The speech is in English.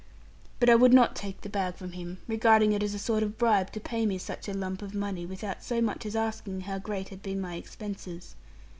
But I would not take the bag from him, regarding it as a sort of bribe to pay me such a lump of money, without so much as asking how great had been my expenses.